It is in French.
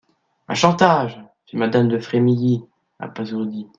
Un chantage ! fit madame de Frémilly, abasourdie.